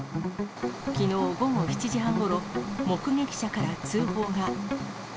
きのう午後７時半ごろ、目撃者から通報が。